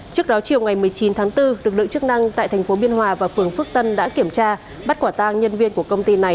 trước đó chiều ngày một mươi chín tháng bốn lực lượng chức năng tại thành phố biên hòa và phường phước tân đã kiểm tra bắt quả tang nhân viên của công ty này